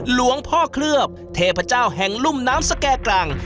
หลวงพ่อเคลือบเทพเจ้าแห่งลุ่มน้ำสแก่กลาง